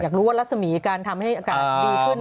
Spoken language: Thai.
รู้ว่ารัศมีการทำให้อากาศดีขึ้น